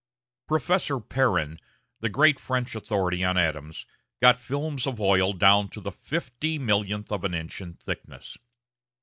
Professor Perrin, the great French authority on atoms, got films of oil down to the fifty millionth of an inch in thickness!